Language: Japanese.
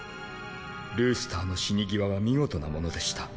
ルースターの死に際は見事なものでした。